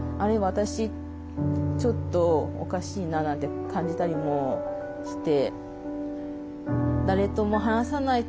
私ちょっとおかしいな」なんて感じたりもして。